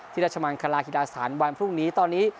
ที่รัชมังฮิตาสถานป์วันพรุ่งนี้ตอนนี้